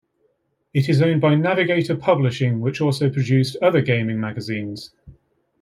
It is owned by Navigator Publishing, which also produced other gaming magazines.